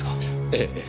ええ。